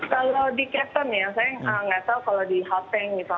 kalau di cape town ya saya nggak tahu kalau di hapeng gitu